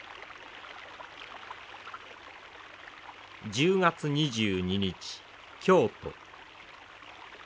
１０月２２日京都。